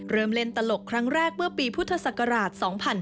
เริ่มเล่นตลกครั้งแรกเมื่อปีพุทธศักราช๒๕๕๙